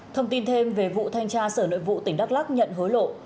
thông tin thêm về vụ thanh tra sở nội vụ tỉnh đắk lắc nhận hối lộ